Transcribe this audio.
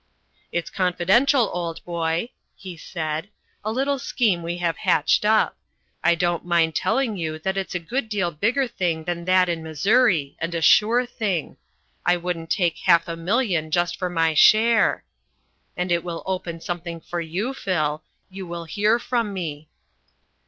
"It's confidential, old boy," he said, "a little scheme we have hatched up. I don't mind telling you that it's a good deal bigger thing than that in Missouri, and a sure thing. I wouldn't take a half a million just for my share. And it will open something for you, Phil. You will hear from me."